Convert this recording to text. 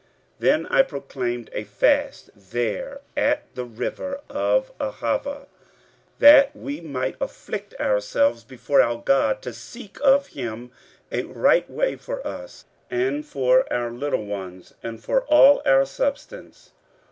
15:008:021 Then I proclaimed a fast there, at the river of Ahava, that we might afflict ourselves before our God, to seek of him a right way for us, and for our little ones, and for all our substance.